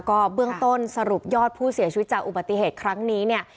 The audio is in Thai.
ก็เบื้องต้นสรุปยอดผู้เสียชีวิตจากอุบัติเหตุครั้งนี้เนี่ย